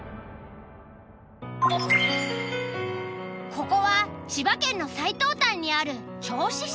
ここは千葉県の最東端にある銚子市。